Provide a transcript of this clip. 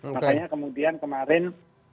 makanya kemudian kemarin